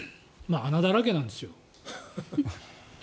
穴だらけなんですよ。